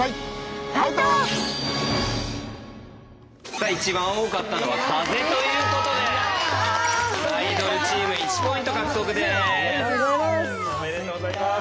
さあ一番多かったのは「風」ということでアイドルチーム１ポイント獲得です。